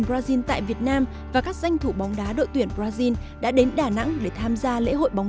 brazil đảm nhận vai trò chủ tịch g hai mươi